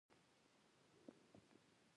لکه غلام چې بې عذره وي.